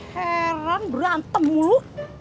heran berantem mulu